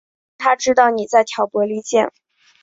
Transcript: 让他知道妳在挑拨离间